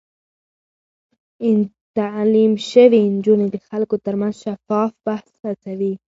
تعليم شوې نجونې د خلکو ترمنځ شفاف بحث هڅوي.